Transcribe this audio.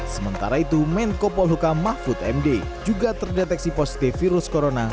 sementara itu men kopol hukam mafud md juga terdeteksi positif virus corona